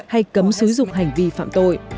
hay cấm sử dụng hành vi phạm tội